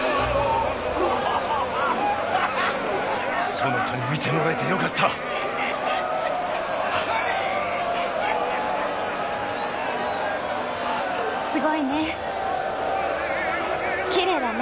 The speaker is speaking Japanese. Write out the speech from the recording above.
そなたに見てもらえてよかったすごいねきれいだね